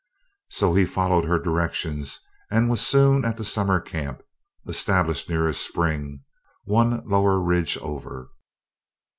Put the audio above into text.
So he followed her directions and was soon at the summer camp, established near a spring one lower ridge over.